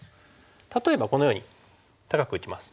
例えばこのように高く打ちます。